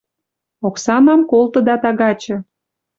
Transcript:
Оксанам колтыда тагачы».